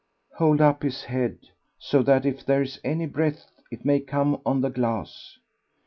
"Hold up his head, so that if there is any breath it may come on the glass."